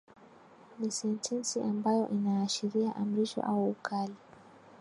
Ni sentensi ambayo inaashiria amrisho au ukali.